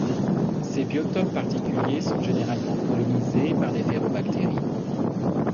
Ces biotopes particuliers sont généralement colonisés par des ferrobactéries.